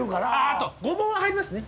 あとごぼうは入りますね。